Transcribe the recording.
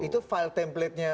itu file templatenya